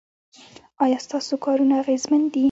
ایا ستاسو کارونه اغیزمن دي؟